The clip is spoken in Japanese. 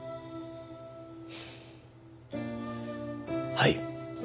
はい。